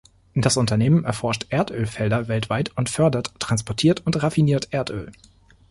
Das Unternehmen erforscht Erdölfelder weltweit und fördert, transportiert und raffiniert Erdöl.